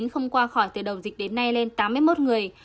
không qua khỏi từ đầu dịch đến nay lên tám mươi một người